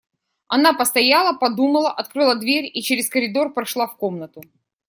Она постояла, подумала, открыла дверь и через коридор прошла в комнату.